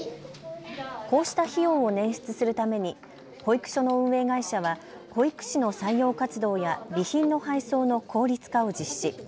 こうした費用を捻出するために保育所の運営会社は保育士の採用活動や備品の配送の効率化を実施。